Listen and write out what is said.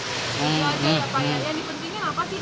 setuju aja enggak pak yang pentingnya apa sih pak